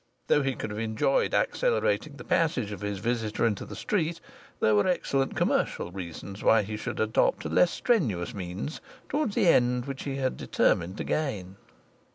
Though he could have enjoyed accelerating the passage of his visitor into the street, there were excellent commercial reasons why he should adopt a less strenuous means towards the end which he had determined to gain.